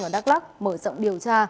ở đắk lắc mở rộng điều tra